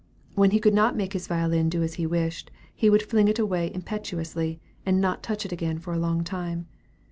When he could not make his violin do as he wished, he would fling it away impetuously, and not touch it again for a long time.